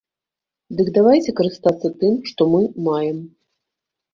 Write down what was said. Дык давайце карыстацца тым, што мы маем.